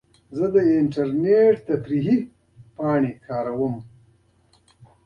زه د انټرنیټ تفریحي پاڼې کاروم.